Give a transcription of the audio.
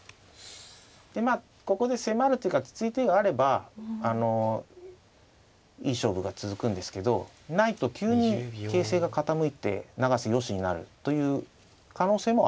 まあここで迫るというかきつい手があればいい勝負が続くんですけどないと急に形勢が傾いて永瀬よしになるという可能性もありますね。